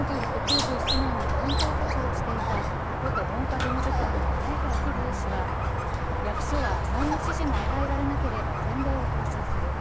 一方、１９９７年に担当課長をしていた元文科事務次官の前川喜平氏は役所は何の指示も与えられなければ全例を踏襲する。